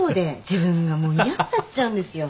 自分がもう嫌になっちゃうんですよ。